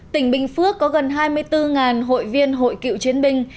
tỉnh bình phước có gần hai mươi bốn hội viên hội cựu chiến binh